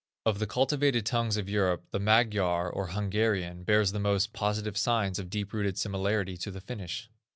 Of the cultivated tongues of Europe, the Magyar, or Hungarian, bears the most positive signs of a deep rooted similarity to the Finnish.